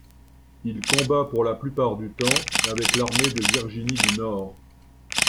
Il combat pour la plupart du temps avec l'armée de Virginie du Nord.